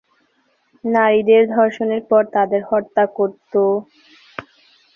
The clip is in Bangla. নারীদের ধর্ষণের পর তাদের হত্যা করতো।